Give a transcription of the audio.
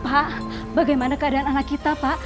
pak bagaimana keadaan anak kita pak